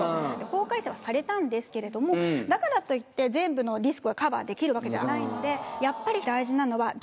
法改正はされたんですけれどもだからといって全部のリスクはカバーできるわけじゃないんでやっぱり。